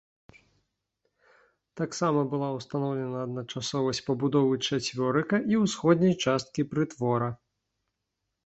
Таксама была ўстаноўлена адначасовасць пабудовы чацверыка і ўсходняй часткі прытвора.